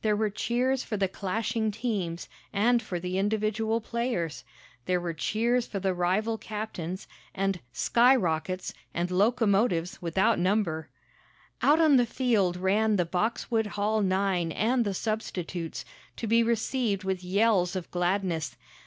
There were cheers for the clashing teams, and for the individual players. There were cheers for the rival captains, and "skyrockets," and "locomotives" without number. Out on the field ran the Boxwood Hall nine and the substitutes, to be received with yells of gladness.